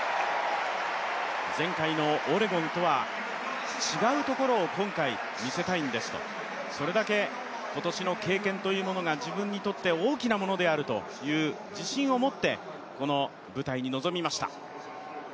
前回のオレゴンとは違うところを今回見せたいんですと、それだけ今年の経験というものが自分にとって大きなものであるという自信を持ってこの舞台に臨みました。